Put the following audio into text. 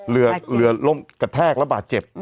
เรือล่มกระแทกระบาดเจ็บ